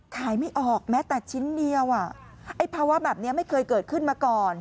ไม่ออกแม้แต่ชิ้นเดียวอ่ะไอ้ภาวะแบบนี้ไม่เคยเกิดขึ้นมาก่อน